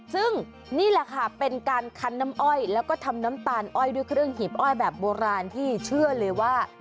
ซึ่งนี่แหละค่ะเป็นการคันน้ำอ้อยแล้วก็ทำน้ำตาลอ้อยด้วยเครื่องหีบอ้อยแบบโบราณที่เชื่อเลยว่า